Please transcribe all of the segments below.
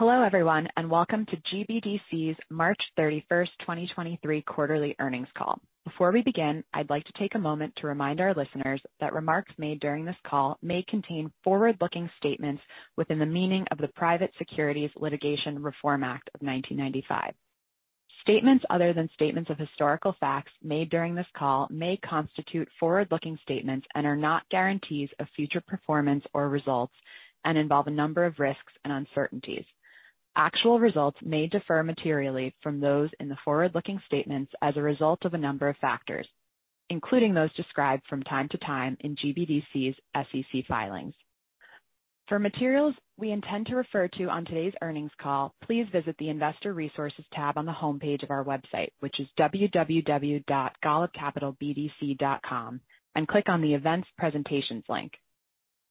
Hello everyone, welcome to GBDC's March 31st, 2023 quarterly earnings call. Before we begin, I'd like to take a moment to remind our listeners that remarks made during this call may contain forward-looking statements within the meaning of the Private Securities Litigation Reform Act of 1995. Statements other than statements of historical facts made during this call may constitute forward-looking statements and are not guarantees of future performance or results and involve a number of risks and uncertainties. Actual results may differ materially from those in the forward-looking statements as a result of a number of factors, including those described from time to time in GBDC's SEC filings. For materials we intend to refer to on today's earnings call, please visit the Investor Resources tab on the homepage of our website, which is www.golubcapitalbdc.com, and click on the Events Presentations link.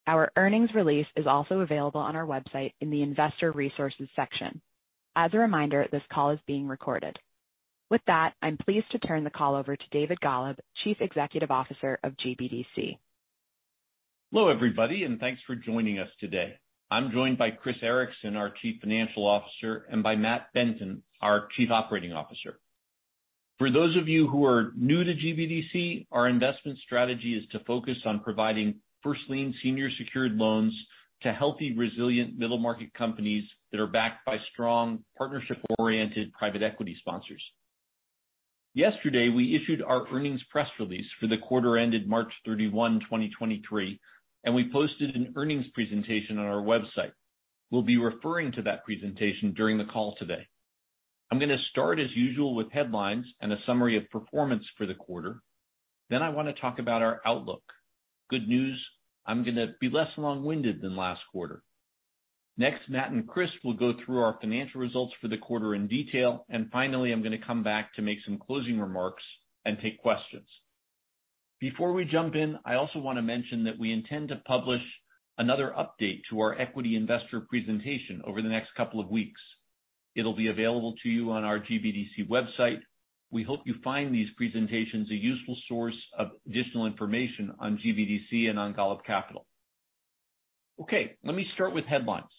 Our earnings release is also available on our website in the Investor Resources section. As a reminder, this call is being recorded. With that, I'm pleased to turn the call over to David Golub, Chief Executive Officer of GBDC. Hello, everybody, and thanks for joining us today. I'm joined by Chris Ericson, our Chief Financial Officer, and by Matt Benton, our Chief Operating Officer. For those of you who are new to GBDC, our investment strategy is to focus on providing first lien senior secured loans to healthy, resilient middle market companies that are backed by strong partnership-oriented private equity sponsors. Yesterday, we issued our earnings press release for the quarter ended March 31, 2023, and we posted an earnings presentation on our website. We'll be referring to that presentation during the call today. I'm gonna start as usual with headlines and a summary of performance for the quarter. I wanna talk about our outlook. Good news, I'm gonna be less long-winded than last quarter. Next, Matt and Chris will go through our financial results for the quarter in detail. Finally, I'm gonna come back to make some closing remarks and take questions. Before we jump in, I also wanna mention that we intend to publish another update to our equity investor presentation over the next couple of weeks. It'll be available to you on our GBDC website. We hope you find these presentations a useful source of additional information on GBDC and on Golub Capital. Let me start with headlines.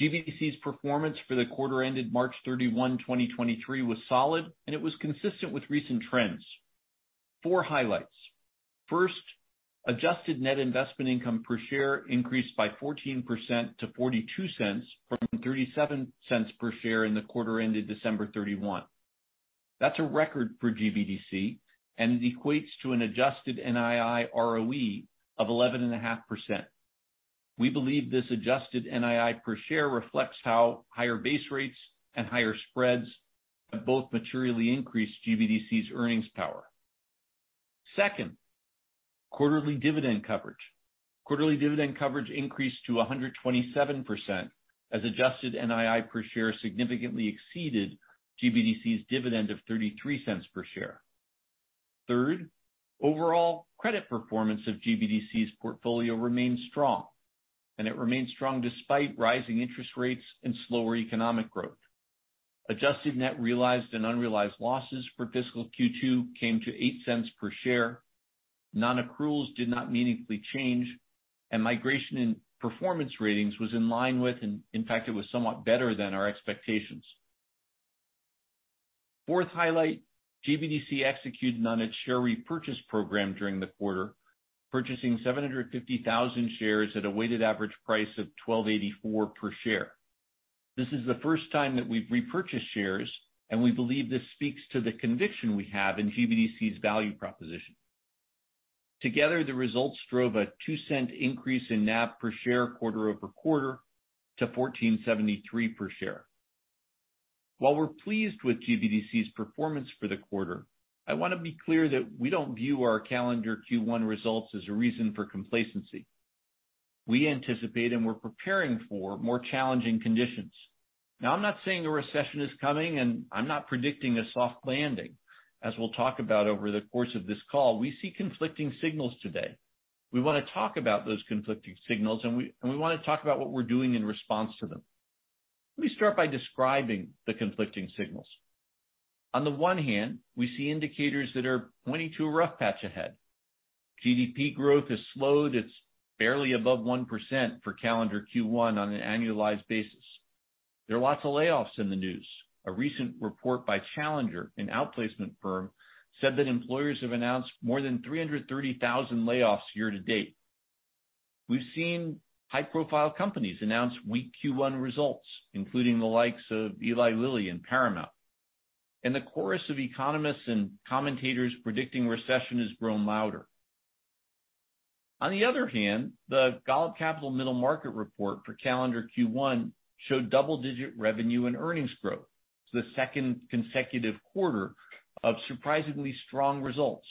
GBDC's performance for the quarter ended March 31, 2023, was solid, and it was consistent with recent trends. Four highlights. First, adjusted net investment income per share increased by 14% to $0.42 from $0.37 per share in the quarter ended December 31. That's a record for GBDC, and it equates to an adjusted NII ROE of 11.5%. We believe this adjusted NII per share reflects how higher base rates and higher spreads have both materially increased GBDC's earnings power. Second, quarterly dividend coverage. Quarterly dividend coverage increased to 127% as adjusted NII per share significantly exceeded GBDC's dividend of $0.33 per share. Third, overall credit performance of GBDC's portfolio remains strong, and it remains strong despite rising interest rates and slower economic growth. Adjusted net realized and unrealized losses for fiscal Q2 came to $0.08 per share. Non-accruals did not meaningfully change, and migration in performance ratings was in line with, in fact, it was somewhat better than our expectations. Fourth highlight, GBDC executed on its share repurchase program during the quarter, purchasing 750,000 shares at a weighted average price of $12.84 per share. This is the first time that we've repurchased shares, and we believe this speaks to the conviction we have in GBDC's value proposition. Together, the results drove a $0.02 increase in NAV per share quarter-over-quarter to $14.73 per share. While we're pleased with GBDC's performance for the quarter, I wanna be clear that we don't view our calendar Q1 results as a reason for complacency. We anticipate, and we're preparing for more challenging conditions. Now, I'm not saying a recession is coming, and I'm not predicting a soft landing. As we'll talk about over the course of this call, we see conflicting signals today. We wanna talk about those conflicting signals, and we wanna talk about what we're doing in response to them. Let me start by describing the conflicting signals. On the one hand, we see indicators that are pointing to a rough patch ahead. GDP growth has slowed. It's barely above 1% for calendar Q1 on an annualized basis. There are lots of layoffs in the news. A recent report by Challenger, an outplacement firm, said that employers have announced more than 330,000 layoffs year to date. We've seen high-profile companies announce weak Q1 results, including the likes of Eli Lilly and Paramount. The chorus of economists and commentators predicting recession has grown louder. On the other hand, the Golub Capital Middle Market Report for calendar Q1 showed double-digit revenue and earnings growth. It's the second consecutive quarter of surprisingly strong results.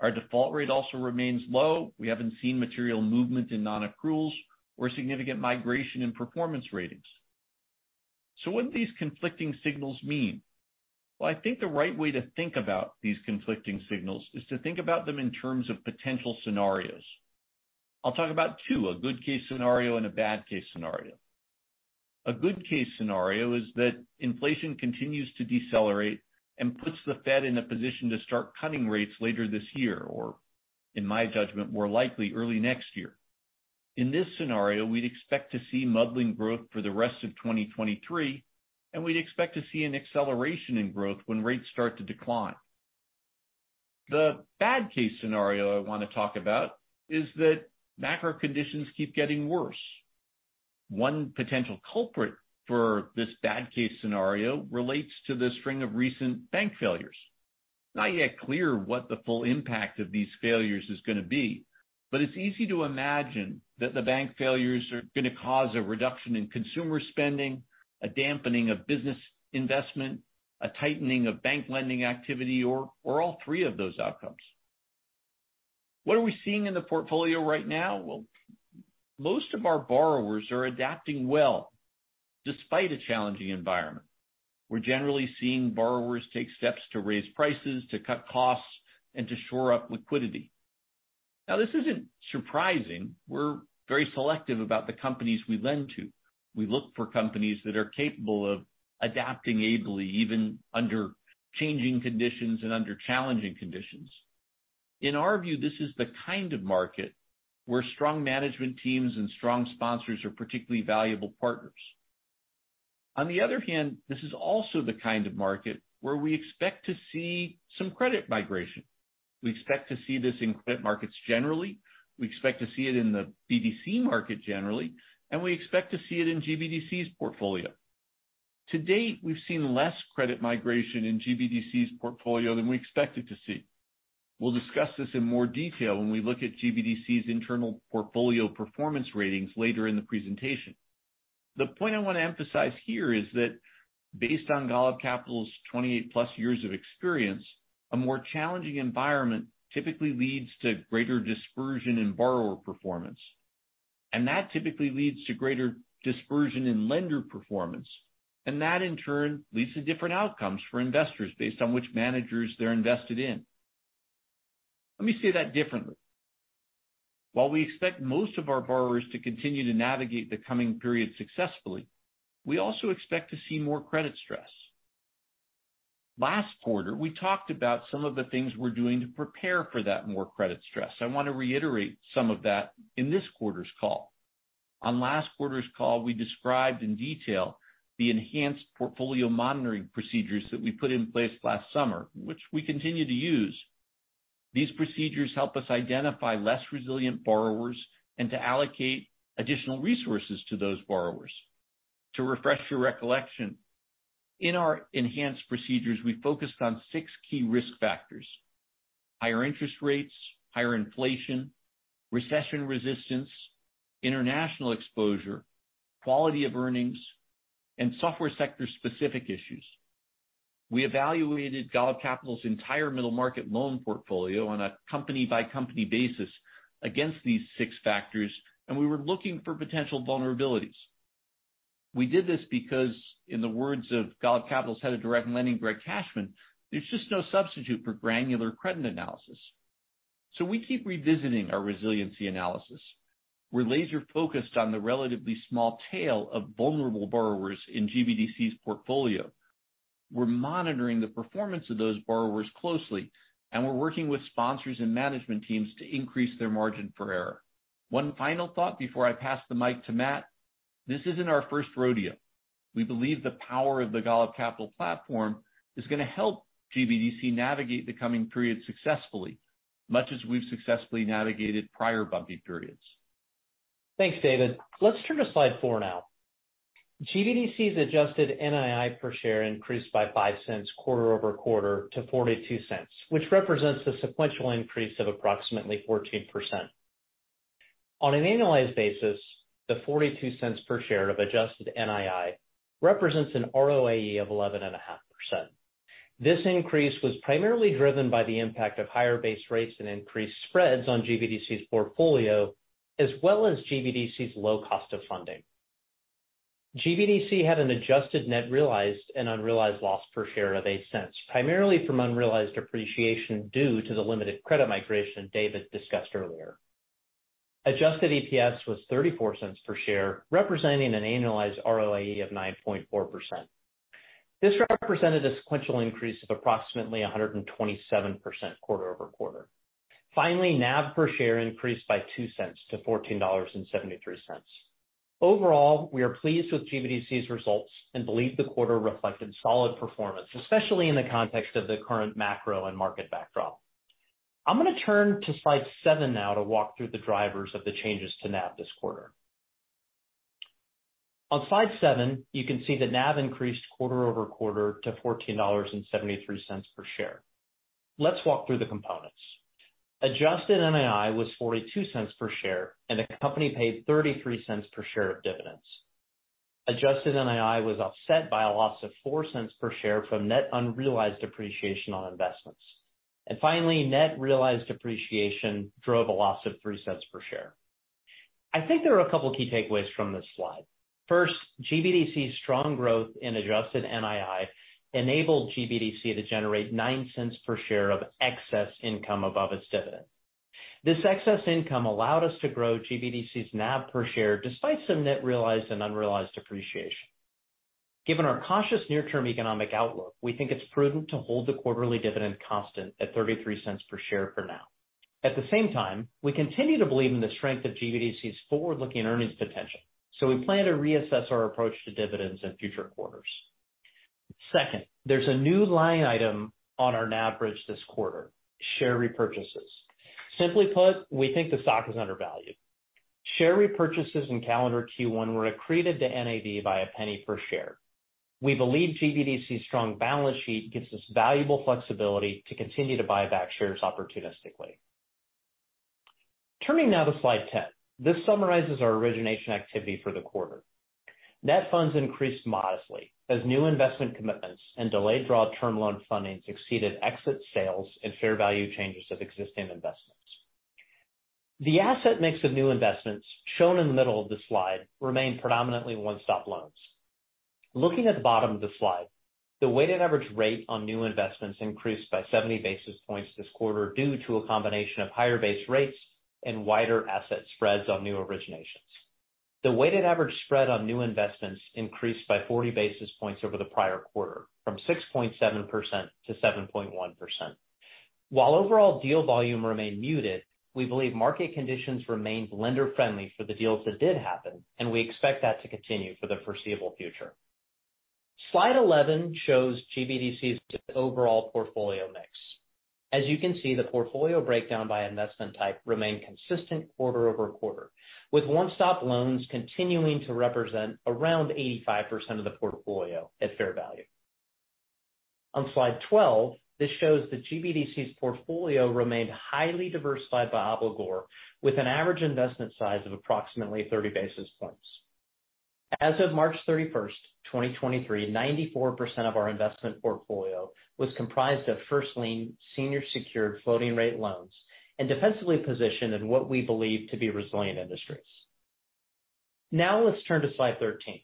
Our default rate also remains low. We haven't seen material movement in non-accruals or significant migration in performance ratings. What do these conflicting signals mean? I think the right way to think about these conflicting signals is to think about them in terms of potential scenarios. I'll talk about two, a good case scenario and a bad case scenario. A good case scenario is that inflation continues to decelerate and puts the Fed in a position to start cutting rates later this year or early next year. In my judgment, more likely early next year. In this scenario, we'd expect to see muddling growth for the rest of 2023, and we'd expect to see an acceleration in growth when rates start to decline. The bad case scenario I wanna talk about is that macro conditions keep getting worse. One potential culprit for this bad case scenario relates to the string of recent bank failures. It's not yet clear what the full impact of these failures is gonna be, but it's easy to imagine that the bank failures are gonna cause a reduction in consumer spending, a dampening of business investment, a tightening of bank lending activity, or all three of those outcomes. What are we seeing in the portfolio right now? Well, most of our borrowers are adapting well, despite a challenging environment. We're generally seeing borrowers take steps to raise prices, to cut costs, and to shore up liquidity. Now, this isn't surprising. We're very selective about the companies we lend to. We look for companies that are capable of adapting ably even under changing conditions and under challenging conditions. In our view, this is the kind of market where strong management teams and strong sponsors are particularly valuable partners. On the other hand, this is also the kind of market where we expect to see some credit migration. We expect to see this in credit markets generally, we expect to see it in the BDC market generally, and we expect to see it in GBDC's portfolio. To date, we've seen less credit migration in GBDC's portfolio than we expected to see. We'll discuss this in more detail when we look at GBDC's internal portfolio performance ratings later in the presentation. The point I want to emphasize here is that based on Golub Capital's 28-plus years of experience, a more challenging environment typically leads to greater dispersion in borrower performance. That typically leads to greater dispersion in lender performance, and that in turn leads to different outcomes for investors based on which managers they're invested in. Let me say that differently. While we expect most of our borrowers to continue to navigate the coming period successfully, we also expect to see more credit stress. Last quarter, we talked about some of the things we're doing to prepare for that more credit stress. I want to reiterate some of that in this quarter's call. On last quarter's call, we described in detail the enhanced portfolio monitoring procedures that we put in place last summer, which we continue to use. These procedures help us identify less resilient borrowers and to allocate additional resources to those borrowers. To refresh your recollection, in our enhanced procedures, we focused on six key risk factors: higher interest rates, higher inflation, recession resistance, international exposure, quality of earnings, and software sector-specific issues. We evaluated Golub Capital's entire middle market loan portfolio on a company-by-company basis against these six factors, and we were looking for potential vulnerabilities. We did this because, in the words of Golub Capital's Head of Direct Lending, Greg Cashman, there's just no substitute for granular credit analysis. We keep revisiting our resiliency analysis. We're laser-focused on the relatively small tail of vulnerable borrowers in GBDC's portfolio. We're monitoring the performance of those borrowers closely, and we're working with sponsors and management teams to increase their margin for error. One final thought before I pass the mic to Matt. This isn't our first rodeo. We believe the power of the Golub Capital platform is gonna help GBDC navigate the coming period successfully, much as we've successfully navigated prior bumpy periods. Thanks, David. Let's turn to slide four now. GBDC's adjusted NII per share increased by $0.05 quarter-over-quarter to $0.42, which represents a sequential increase of approximately 14%. On an annualized basis, the $0.42 per share of adjusted NII represents an ROAE of 11.5%. This increase was primarily driven by the impact of higher base rates and increased spreads on GBDC's portfolio, as well as GBDC's low cost of funding. GBDC had an adjusted net realized and unrealized loss per share of $0.08, primarily from unrealized appreciation due to the limited credit migration David discussed earlier. Adjusted EPS was $0.34 per share, representing an annualized ROAE of 9.4%. This represented a sequential increase of approximately 127% quarter-over-quarter. Finally, NAV per share increased by $0.02 to $14.73. Overall, we are pleased with GBDC's results and believe the quarter reflected solid performance, especially in the context of the current macro and market backdrop. I'm gonna turn to slide seven now to walk through the drivers of the changes to NAV this quarter. On slide seven, you can see that NAV increased quarter-over-quarter to $14.73 per share. Let's walk through the components. Adjusted NII was $0.42 per share, and the company paid $0.33 per share of dividends. Adjusted NII was offset by a loss of $0.04 per share from net unrealized appreciation on investments. Finally, net realized appreciation drove a loss of $0.03 per share. I think there are a couple of key takeaways from this slide. GBDC's strong growth in adjusted NII enabled GBDC to generate $0.09 per share of excess income above its dividend. This excess income allowed us to grow GBDC's NAV per share despite some net realized and unrealized appreciation. Given our cautious near-term economic outlook, we think it's prudent to hold the quarterly dividend constant at $0.33 per share for now. At the same time, we continue to believe in the strength of GBDC's forward-looking earnings potential, we plan to reassess our approach to dividends in future quarters. There's a new line item on our NAV bridge this quarter, share repurchases. Simply put, we think the stock is undervalued. Share repurchases in calendar Q1 were accreted to NAV by $0.01 per share. We believe GBDC's strong balance sheet gives us valuable flexibility to continue to buy back shares opportunistically. Turning now to slide 10. This summarizes our origination activity for the quarter. Net funds increased modestly as new investment commitments and delayed draw term loan fundings exceeded exit sales and fair value changes of existing investments. The asset mix of new investments shown in the middle of the slide remained predominantly One Stop Loans. Looking at the bottom of the slide, the weighted average rate on new investments increased by 70 basis points this quarter due to a combination of higher base rates and wider asset spreads on new originations. The weighted average spread on new investments increased by 40 basis points over the prior quarter from 6.7%-7.1%. While overall deal volume remained muted, we believe market conditions remained lender-friendly for the deals that did happen, and we expect that to continue for the foreseeable future. Slide 11 shows GBDC's overall portfolio mix. As you can see, the portfolio breakdown by investment type remained consistent quarter-over-quarter, with one stop loans continuing to represent around 85% of the portfolio at fair value. On slide 12, this shows that GBDC's portfolio remained highly diversified by obligor with an average investment size of approximately 30 basis points. As of March 31, 2023, 94% of our investment portfolio was comprised of first lien senior secured floating rate loans and defensively positioned in what we believe to be resilient industries. Now let's turn to slide 13.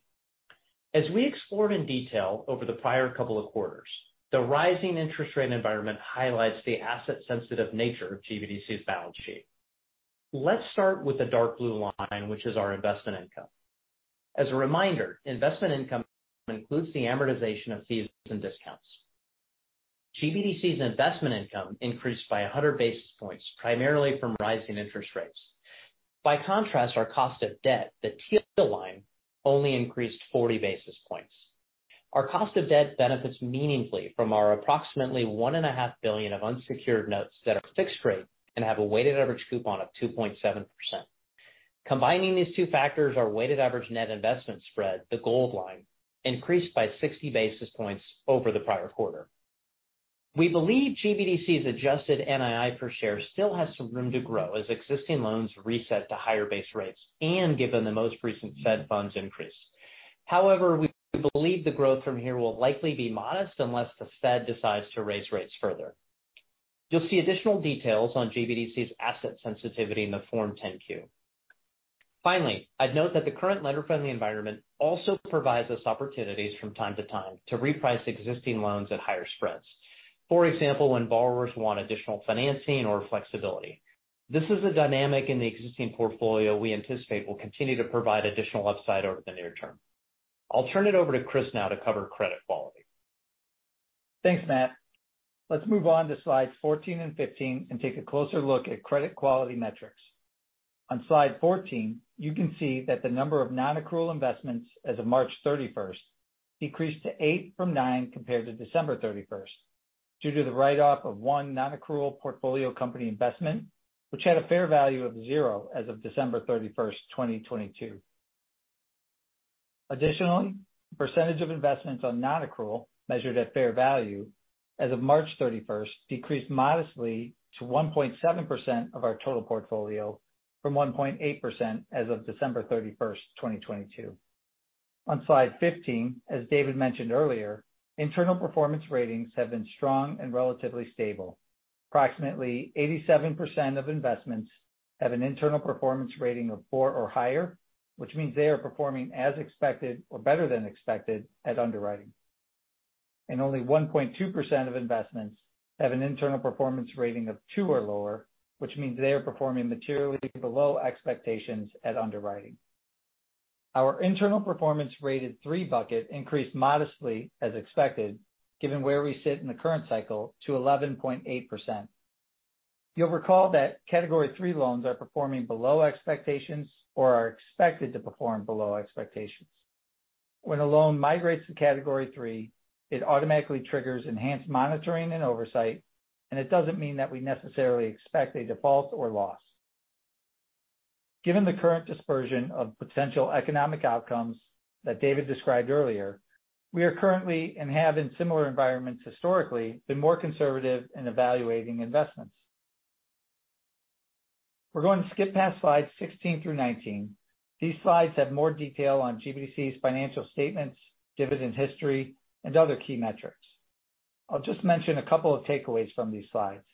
As we explored in detail over the prior couple of quarters, the rising interest rate environment highlights the asset-sensitive nature of GBDC's balance sheet. Let's start with the dark blue line, which is our investment income. As a reminder, investment income includes the amortization of fees and discounts. GBDC's investment income increased by 100 basis points, primarily from rising interest rates. Our cost of debt, the teal line, only increased 40 basis points. Our cost of debt benefits meaningfully from our approximately $1.5 billion of unsecured notes that are fixed rate and have a weighted average coupon of 2.7%. Combining these two factors, our weighted average net investment spread, the gold line, increased by 60 basis points over the prior quarter. We believe GBDC's adjusted NII per share still has some room to grow as existing loans reset to higher base rates and given the most recent Fed funds increase. We believe the growth from here will likely be modest unless the Fed decides to raise rates further. You'll see additional details on GBDC's asset sensitivity in the Form 10-Q. Finally, I'd note that the current lender-friendly environment also provides us opportunities from time to time to reprice existing loans at higher spreads. For example, when borrowers want additional financing or flexibility. This is a dynamic in the existing portfolio we anticipate will continue to provide additional upside over the near term. I'll turn it over to Chris now to cover credit quality. Thanks, Matt. Let's move on to slides 14 and 15 and take a closer look at credit quality metrics. On slide 14, you can see that the number of non-accrual investments as of March 31st decreased to 8 from 9 compared to December 31st due to the write-off of 1 non-accrual portfolio company investment, which had a fair value of 0 as of December 31st, 2022. Additionally, percentage of investments on non-accrual measured at fair value as of March 31st decreased modestly to 1.7% of our total portfolio from 1.8% as of December 31st, 2022. On slide 15, as David mentioned earlier, internal performance ratings have been strong and relatively stable. Approximately 87% of investments have an internal performance rating of four or higher, which means they are performing as expected or better than expected at underwriting. Only 1.2% of investments have an internal performance rating of two or lower, which means they are performing materially below expectations at underwriting. Our internal performance rated three bucket increased modestly as expected, given where we sit in the current cycle to 11.8%. You'll recall that category three loans are performing below expectations or are expected to perform below expectations. When a loan migrates to category three, it automatically triggers enhanced monitoring and oversight, and it doesn't mean that we necessarily expect a default or loss. Given the current dispersion of potential economic outcomes that David described earlier, we are currently and have in similar environments historically, been more conservative in evaluating investments. We're going to skip past slides 16 through 19. These slides have more detail on GBDC's financial statements, dividend history, and other key metrics. I'll just mention a couple of takeaways from these slides.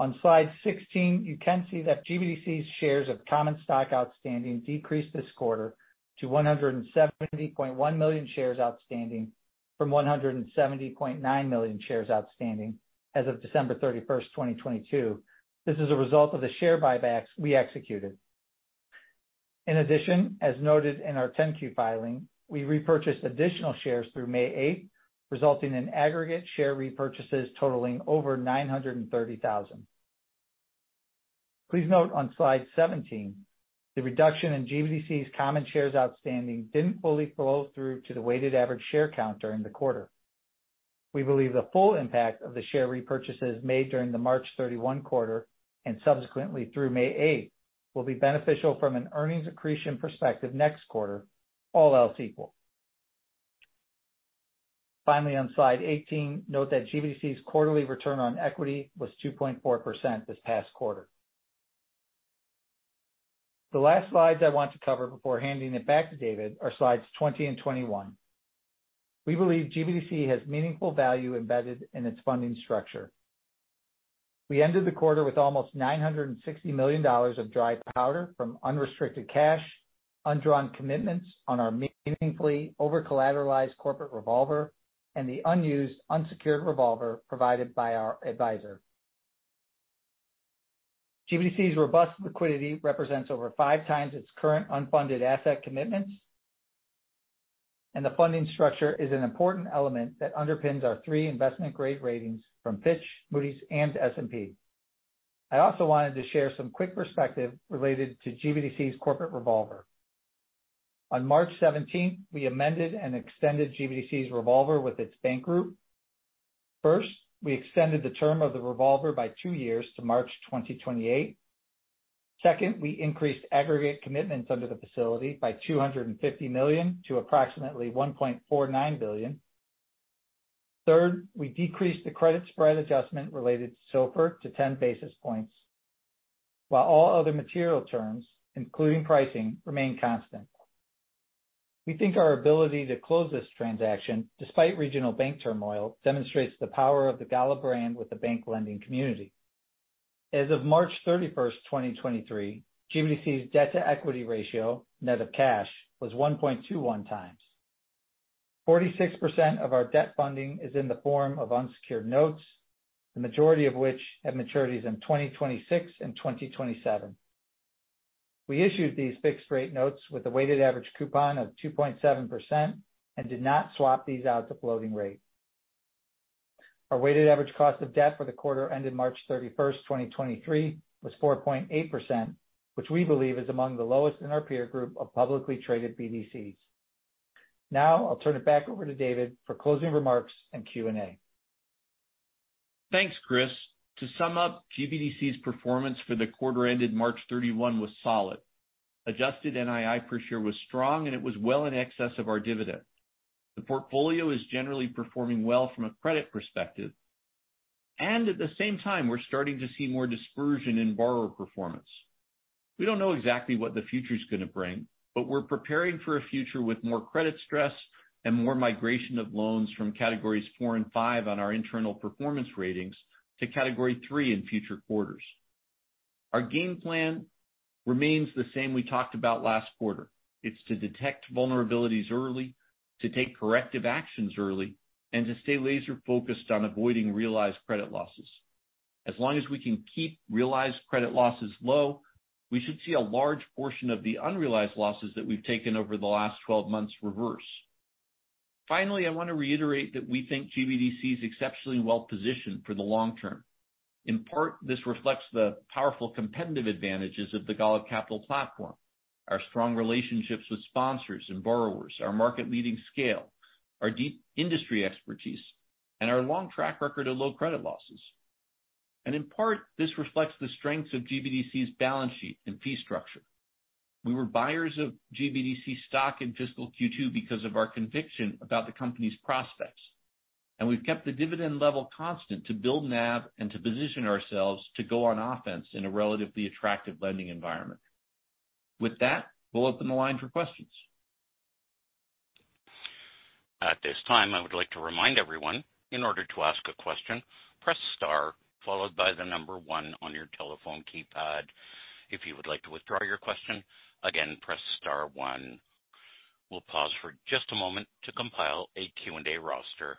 On slide 16, you can see that GBDC's shares of common stock outstanding decreased this quarter to 170.1 million shares outstanding from 170.9 million shares outstanding as of December 31, 2022. This is a result of the share buybacks we executed. In addition, as noted in our 10-Q filing, we repurchased additional shares through May 8, resulting in aggregate share repurchases totaling over 930,000. Please note on slide 17, the reduction in GBDC's common shares outstanding didn't fully flow through to the weighted average share count during the quarter. We believe the full impact of the share repurchases made during the March 31 quarter and subsequently through May 8 will be beneficial from an earnings accretion perspective next quarter, all else equal. Finally, on slide 18, note that GBDC's quarterly return on equity was 2.4% this past quarter. The last slides I want to cover before handing it back to David are slides 20 and 21. We believe GBDC has meaningful value embedded in its funding structure. We ended the quarter with almost $960 million of dry powder from unrestricted cash, undrawn commitments on our meaningfully over-collateralized corporate revolver, and the unused unsecured revolver provided by our advisor. GBDC's robust liquidity represents over 5 times its current unfunded asset commitments. The funding structure is an important element that underpins our three investment-grade ratings from Fitch, Moody's, and S&P. I also wanted to share some quick perspective related to GBDC's corporate revolver. On March 17th, we amended and extended GBDC's revolver with its bank group. First, we extended the term of the revolver by 2 years to March 2028. Second, we increased aggregate commitments under the facility by $250 million to approximately $1.49 billion. Third, we decreased the credit spread adjustment related to SOFR to 10 basis points, while all other material terms, including pricing, remain constant. We think our ability to close this transaction, despite regional bank turmoil, demonstrates the power of the Golub brand with the bank lending community. As of March 31, 2023, GBDC's debt-to-equity ratio, net of cash, was 1.21 times. 46% of our debt funding is in the form of unsecured notes, the majority of which have maturities in 2026 and 2027. We issued these fixed-rate notes with a weighted average coupon of 2.7% and did not swap these out to floating rate. Our weighted average cost of debt for the quarter ended March 31st, 2023 was 4.8%, which we believe is among the lowest in our peer group of publicly traded BDCs. I'll turn it back over to David for closing remarks and Q&A. Thanks, Chris. To sum up, GBDC's performance for the quarter ended March 31 was solid. Adjusted NII per share was strong, and it was well in excess of our dividend. The portfolio is generally performing well from a credit perspective, and at the same time, we're starting to see more dispersion in borrower performance. We don't know exactly what the future is going to bring, but we're preparing for a future with more credit stress and more migration of loans from categories 4 and 5 on our internal performance ratings to category three in future quarters. Our game plan remains the same we talked about last quarter. It's to detect vulnerabilities early, to take corrective actions early, and to stay laser-focused on avoiding realized credit losses. As long as we can keep realized credit losses low, we should see a large portion of the unrealized losses that we've taken over the last 12 months reverse. Finally, I want to reiterate that we think GBDC is exceptionally well positioned for the long term. In part, this reflects the powerful competitive advantages of the Golub Capital platform, our strong relationships with sponsors and borrowers, our market-leading scale, our deep industry expertise, and our long track record of low credit losses. In part, this reflects the strengths of GBDC's balance sheet and fee structure. We were buyers of GBDC stock in fiscal Q2 because of our conviction about the company's prospects. We've kept the dividend level constant to build NAV and to position ourselves to go on offense in a relatively attractive lending environment. With that, we'll open the line for questions. At this time, I would like to remind everyone in order to ask a question, press star followed by the number 1 on your telephone keypad. If you would like to withdraw your question, again press star one. We'll pause for just a moment to compile a Q&A roster.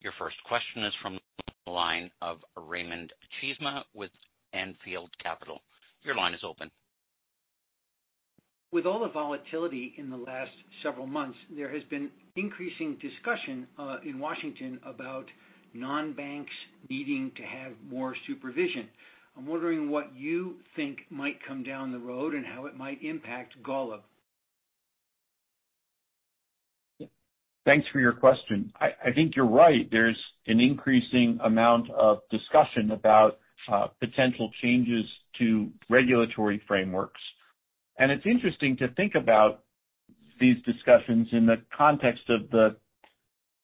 Your first question is from the line of Raymond Cheeseman with Anfield Capital. Your line is open. With all the volatility in the last several months, there has been increasing discussion in Washington about non-banks needing to have more supervision. I'm wondering what you think might come down the road and how it might impact Golub. Thanks for your question. I think you're right. There's an increasing amount of discussion about potential changes to regulatory frameworks. It's interesting to think about these discussions in the context of the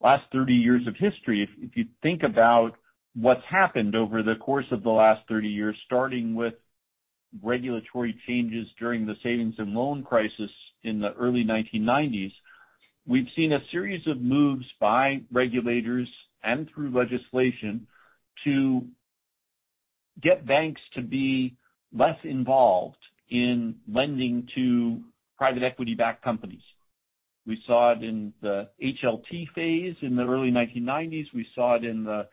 last 30 years of history. If you think about what's happened over the course of the last 30 years, starting with regulatory changes during the savings and loan crisis in the early 1990s. We've seen a series of moves by regulators and through legislation to get banks to be less involved in lending to private equity-backed companies. We saw it in the HLT phase in the early 1990s. We saw it in the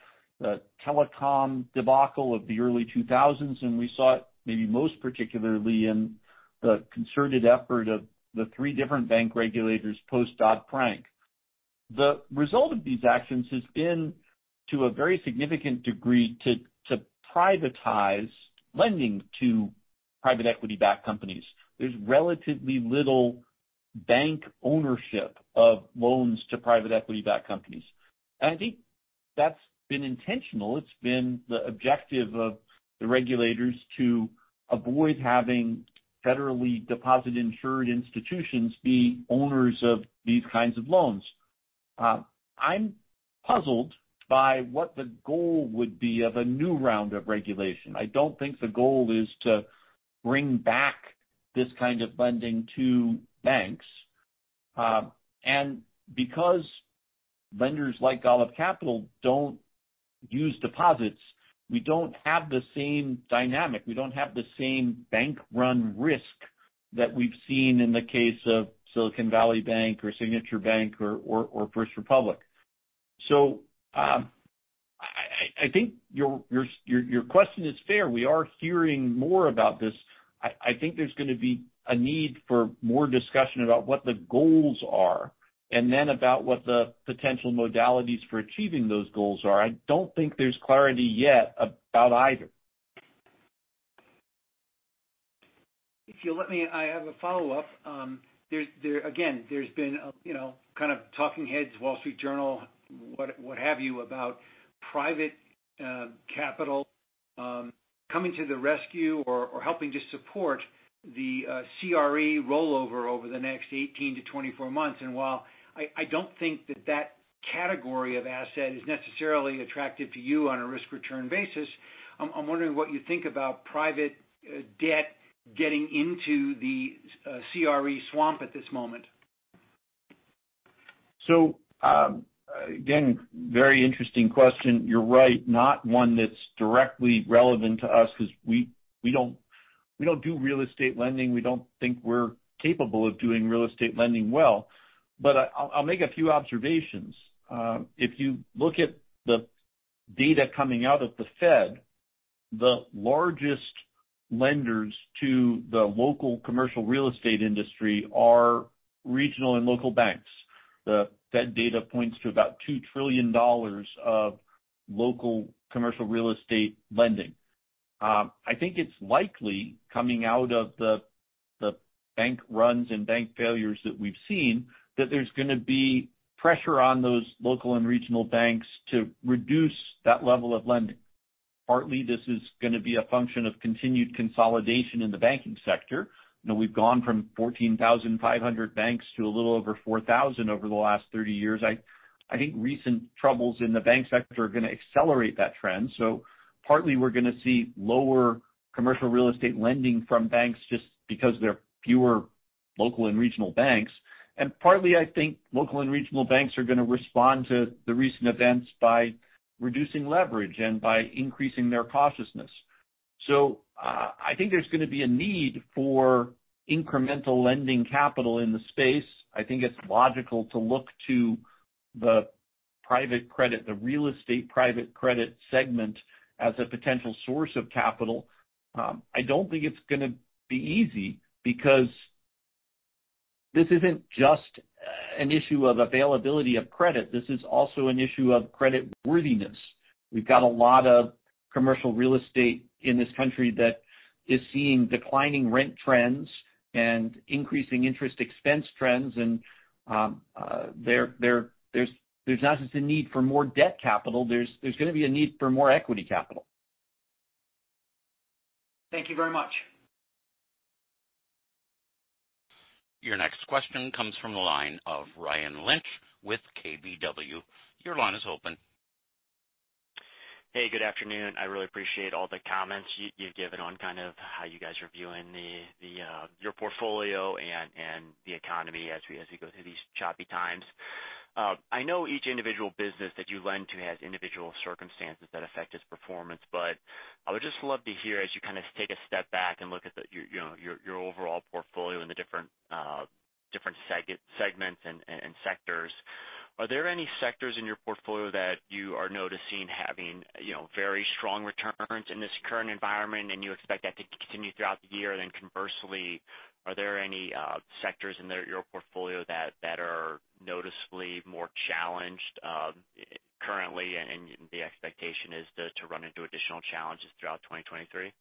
telecom debacle of the early 2000s. We saw it maybe most particularly in the concerted effort of the 3 different bank regulators post Dodd-Frank. The result of these actions has been, to a very significant degree, to privatize lending to private equity-backed companies. There's relatively little bank ownership of loans to private equity-backed companies. I think that's been intentional. It's been the objective of the regulators to avoid having federally deposit-insured institutions be owners of these kinds of loans. I'm puzzled by what the goal would be of a new round of regulation. I don't think the goal is to bring back this kind of lending to banks. Because lenders like Golub Capital don't use deposits, we don't have the same dynamic. We don't have the same bank run risk that we've seen in the case of Silicon Valley Bank or Signature Bank or First Republic. I think your question is fair. We are hearing more about this. I think there's gonna be a need for more discussion about what the goals are, and then about what the potential modalities for achieving those goals are. I don't think there's clarity yet about either. If you'll let me, I have a follow-up. There again, there's been a, you know, kind of talking heads, Wall Street Journal, what have you, about private capital coming to the rescue or helping to support the CRE rollover over the next 18-24 months. While I don't think that that category of asset is necessarily attractive to you on a risk-return basis, I'm wondering what you think about private debt getting into the CRE swamp at this moment. Again, very interesting question. You're right. Not one that's directly relevant to us because we don't do real estate lending. We don't think we're capable of doing real estate lending well. I'll make a few observations. If you look at the data coming out of the Fed, the largest lenders to the local commercial real estate industry are regional and local banks. The Fed data points to about $2 trillion of local commercial real estate lending. I think it's likely coming out of the bank runs and bank failures that we've seen, that there's gonna be pressure on those local and regional banks to reduce that level of lending. Partly, this is gonna be a function of continued consolidation in the banking sector. You know, we've gone from 14,500 banks to a little over 4,000 over the last 30 years. I think recent troubles in the bank sector are gonna accelerate that trend. Partly we're gonna see lower commercial real estate lending from banks just because there are fewer local and regional banks. Partly, I think local and regional banks are gonna respond to the recent events by reducing leverage and by increasing their cautiousness. I think there's gonna be a need for incremental lending capital in the space. I think it's logical to look to the private credit, the real estate private credit segment as a potential source of capital. I don't think it's gonna be easy because this isn't just an issue of availability of credit, this is also an issue of credit worthiness. We've got a lot of commercial real estate in this country that is seeing declining rent trends and increasing interest expense trends. There's not just a need for more debt capital, there's gonna be a need for more equity capital. Thank you very much. Your next question comes from the line of Ryan Lynch with KBW. Your line is open. Hey, good afternoon. I really appreciate all the comments you've given on kind of how you guys are viewing the your portfolio and the economy as we go through these choppy times. I know each individual business that you lend to has individual circumstances that affect its performance, but I would just love to hear as you kind of take a step back and look at the, you know, your overall portfolio in the different segments and sectors. Are there any sectors in your portfolio that you are noticing having, you know, very strong returns in this current environment and you expect that to continue throughout the year? Conversely, are there any sectors in your portfolio that are noticeably more challenged, currently, and the expectation is to run into additional challenges throughout 2023?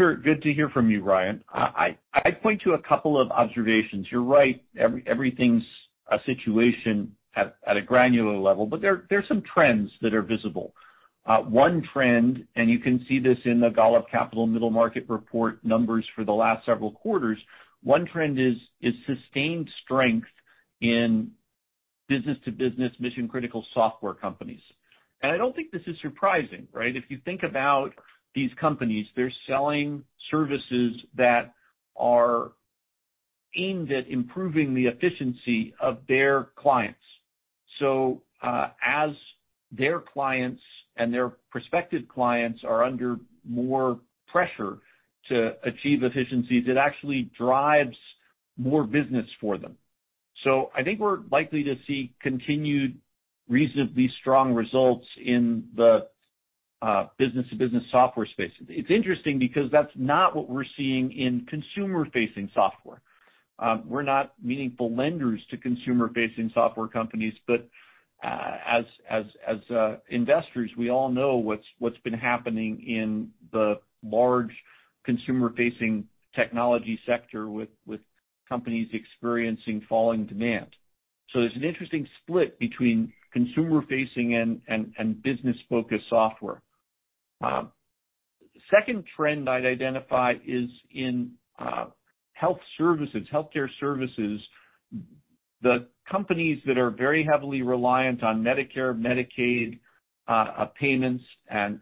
Sure. Good to hear from you, Ryan. I point to a couple of observations. You're right, everything's a situation at a granular level. There are some trends that are visible. One trend, you can see this in the Golub Capital Middle Market Report numbers for the last several quarters. One trend is sustained strength in business-to-business mission-critical software companies. I don't think this is surprising, right? If you think about these companies, they're selling services that are aimed at improving the efficiency of their clients. As their clients and their prospective clients are under more pressure to achieve efficiencies, it actually drives more business for them. I think we're likely to see continued reasonably strong results in the business-to-business software space. It's interesting because that's not what we're seeing in consumer-facing software. We're not meaningful lenders to consumer-facing software companies, but as investors, we all know what's been happening in the large consumer-facing technology sector with companies experiencing falling demand. There's an interesting split between consumer-facing and business-focused software. Second trend I'd identify is in health services, healthcare services. The companies that are very heavily reliant on Medicare, Medicaid payments and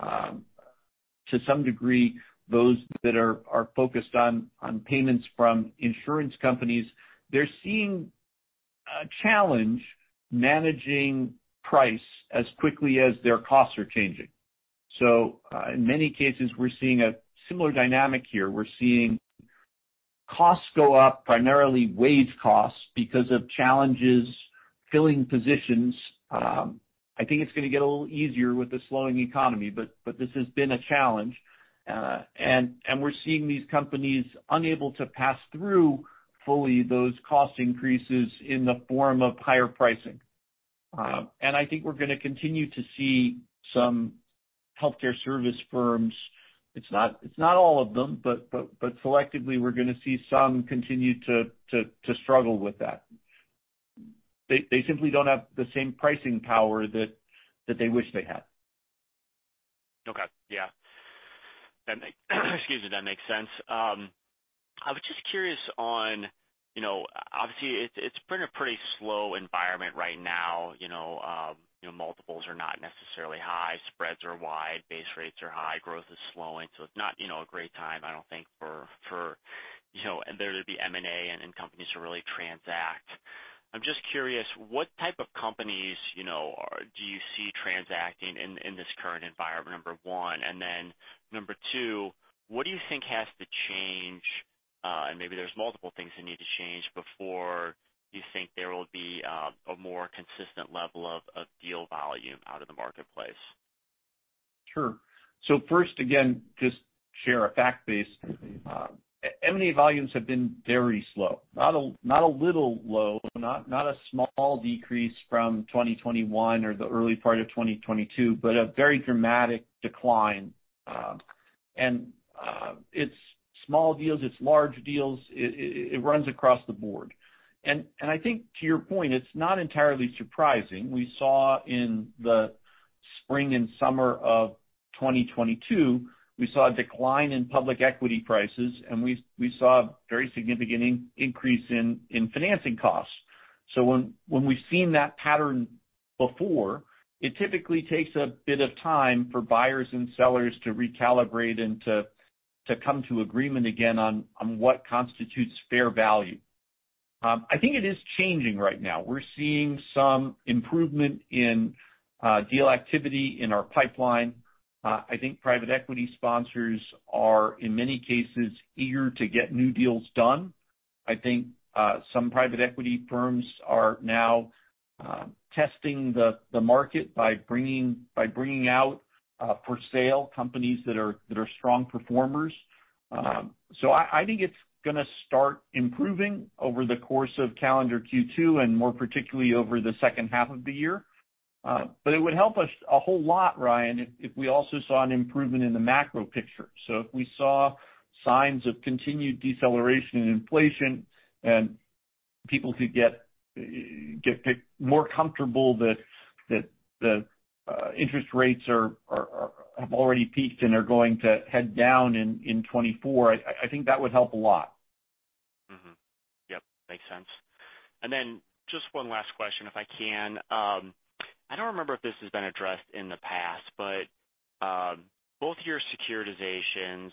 to some degree, those that are focused on payments from insurance companies, they're seeing a challenge managing price as quickly as their costs are changing. In many cases, we're seeing a similar dynamic here. We're seeing costs go up, primarily wage costs, because of challenges filling positions. I think it's gonna get a little easier with the slowing economy, but this has been a challenge. We're seeing these companies unable to pass through fully those cost increases in the form of higher pricing. I think we're gonna continue to see some healthcare service firms. It's not, it's not all of them, but selectively, we're gonna see some continue to struggle with that. They simply don't have the same pricing power that they wish they had. Okay. Yeah. Excuse me. That makes sense. I was just curious on, you know, obviously it's been a pretty slow environment right now. You know, you know, multiples are not necessarily high. Spreads are wide. Base rates are high. Growth is slowing. It's not, you know, a great time, I don't think, for, you know, there to be M&A and companies to really transact. I'm just curious what type of companies, you know, do you see transacting in this current environment, number 1? Number 2, what do you think has to change, and maybe there's multiple things that need to change before you think there will be a more consistent level of deal volume out of the marketplace? Sure. First, again, just share a fact base. M&A volumes have been very slow. Not a little low, not a small decrease from 2021 or the early part of 2022, but a very dramatic decline. It's small deals, it's large deals. It runs across the board. I think to your point, it's not entirely surprising. We saw in the spring and summer of 2022, we saw a decline in public equity prices, and we saw a very significant increase in financing costs. When we've seen that pattern before, it typically takes a bit of time for buyers and sellers to recalibrate and to come to agreement again on what constitutes fair value. I think it is changing right now. We're seeing some improvement in deal activity in our pipeline. I think private equity sponsors are, in many cases, eager to get new deals done. I think some private equity firms are now testing the market by bringing out for sale companies that are strong performers. I think it's gonna start improving over the course of calendar Q2 and more particularly over the second half of the year. It would help us a whole lot, Ryan, if we also saw an improvement in the macro picture. If we saw signs of continued deceleration in inflation and people could get more comfortable that the interest rates are already peaked and are going to head down in 2024, I think that would help a lot. Yep, makes sense. Just one last question, if I can. I don't remember if this has been addressed in the past, but both your securitizations,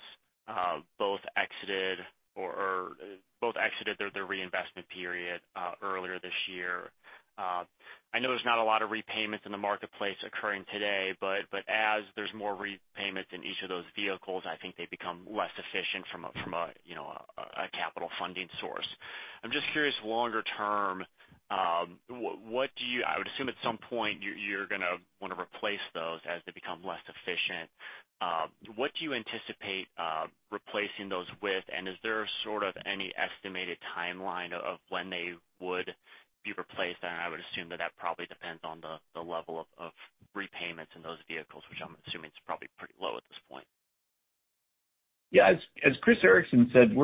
both exited their reinvestment period earlier this year. I know there's not a lot of repayments in the marketplace occurring today, but as there's more repayments in each of those vehicles, I think they become less efficient from a, you know, a capital funding source. I'm just curious longer term, I would assume at some point you're gonna wanna replace those as they become less efficient. What do you anticipate replacing those with, and is there sort of any estimated timeline of when they would be replaced? I would assume that that probably depends on the level of repayments in those vehicles, which I'm assuming is probably pretty low at this point. Yeah. As Chris Ericson said,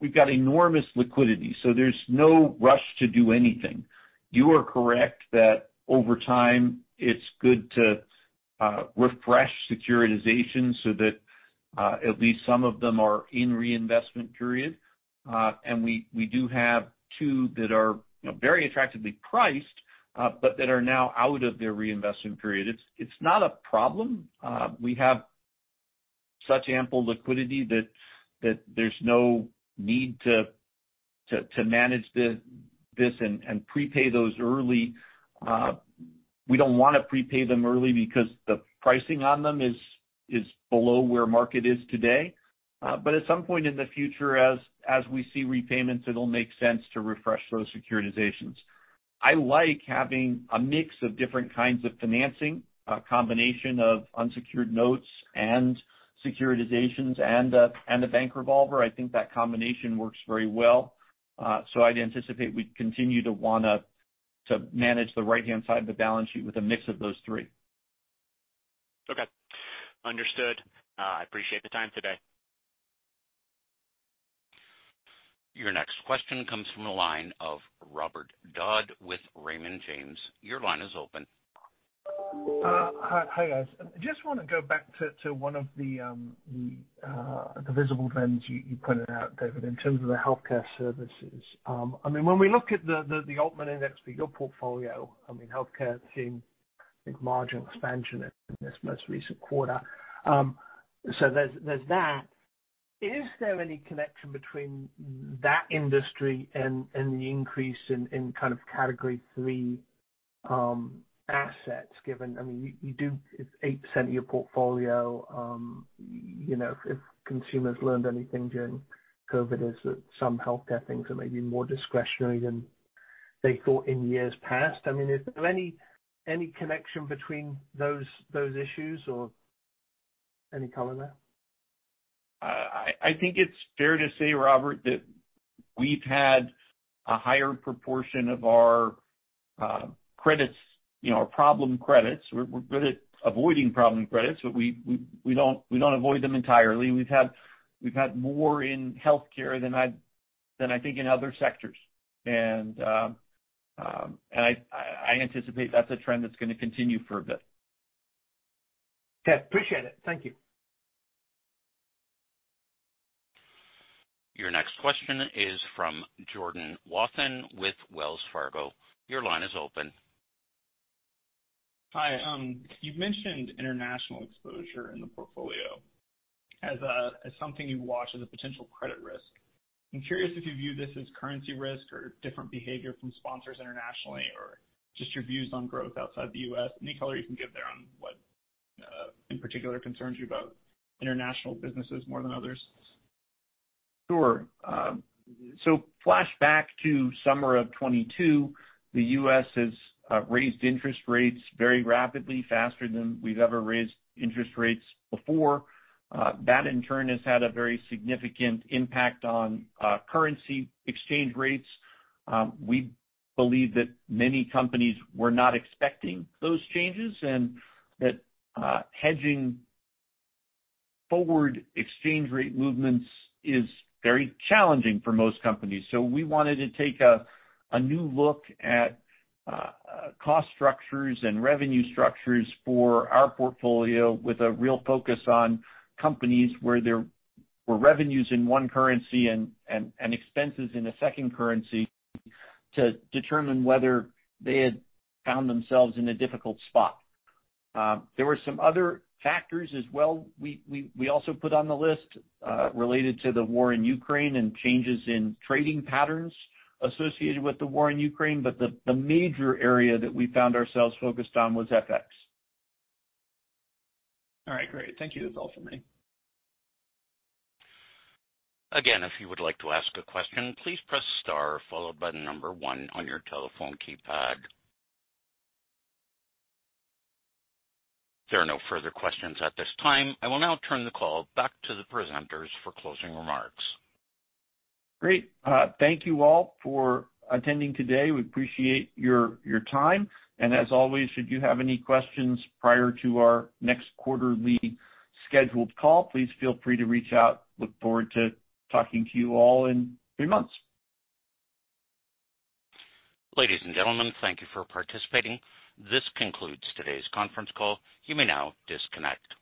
we've got enormous liquidity. There's no rush to do anything. You are correct that over time it's good to refresh securitization so that at least some of them are in reinvestment period. And we do have two that are, you know, very attractively priced, but that are now out of their reinvestment period. It's not a problem. We have such ample liquidity that there's no need to manage this and prepay those early. We don't wanna prepay them early because the pricing on them is below where market is today. At some point in the future as we see repayments, it'll make sense to refresh those securitizations. I like having a mix of different kinds of financing, a combination of unsecured notes and securitizations and a bank revolver. I think that combination works very well. I'd anticipate we'd continue to manage the right-hand side of the balance sheet with a mix of those three. Okay. Understood. I appreciate the time today. Your next question comes from the line of Robert Dodd with Raymond James. Your line is open. Hi, guys. I just wanna go back to one of the visible trends you pointed out, David, in terms of the healthcare services. I mean, when we look at the Altman Index for your portfolio, I mean, healthcare seemed like margin expansion in this most recent quarter. There's that. Is there any connection between that industry and the increase in kind of category three assets, given I mean, you do 8% of your portfolio. You know, if consumers learned anything during COVID is that some healthcare things are maybe more discretionary than they thought in years past. I mean, is there any connection between those issues or any color there? I think it's fair to say, Robert, that we've had a higher proportion of our credits, you know, problem credits. We're good at avoiding problem credits, but we don't avoid them entirely. We've had more in healthcare than I think in other sectors. I anticipate that's a trend that's gonna continue for a bit. Okay. Appreciate it. Thank you. Your next question is from Jordan Wathen with Wells Fargo. Your line is open. Hi. You've mentioned international exposure in the portfolio as something you watch as a potential credit risk. I'm curious if you view this as currency risk or different behavior from sponsors internationally or just your views on growth outside the U.S. Any color you can give there on what in particular concerns you about international businesses more than others? Sure. Flashback to summer of 2022. The U.S. has raised interest rates very rapidly, faster than we've ever raised interest rates before. That in turn has had a very significant impact on currency exchange rates. We believe that many companies were not expecting those changes and that hedging forward exchange rate movements is very challenging for most companies. We wanted to take a new look at cost structures and revenue structures for our portfolio with a real focus on companies where there were revenues in one currency and expenses in a second currency to determine whether they had found themselves in a difficult spot. There were some other factors as well. We also put on the list, related to the war in Ukraine and changes in trading patterns associated with the war in Ukraine, the major area that we found ourselves focused on was FX. All right. Great. Thank you. That's all for me. Again, if you would like to ask a question, please press star followed by 1 on your telephone keypad. There are no further questions at this time. I will now turn the call back to the presenters for closing remarks. Great. Thank you all for attending today. We appreciate your time. As always, should you have any questions prior to our next quarterly scheduled call, please feel free to reach out. Look forward to talking to you all in three months. Ladies and gentlemen, thank you for participating. This concludes today's conference call. You may now disconnect.